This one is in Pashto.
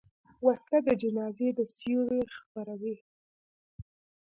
وسله د جنازې سیوري خپروي